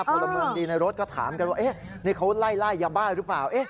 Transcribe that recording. พลเมืองดีในรถก็ถามกันว่านี่เขาไล่ไล่ยาบ้าหรือเปล่า